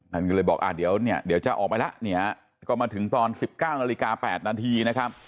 ท่านก็เลยบอกเดี๋ยวเนี่ยเดี๋ยวจะออกไปแล้วเนี่ยก็มาถึงตอน๑๙นาฬิกา๘นาทีนะครับ